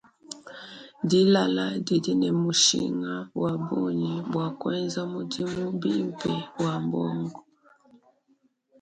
Dilala didi ne mushinga wa bungi bua kuenza mudimu bimpe wa buongo.